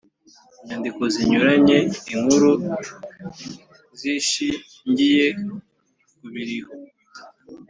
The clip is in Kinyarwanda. inyandiko zinyuranye, inkuru zishingiye ku biriho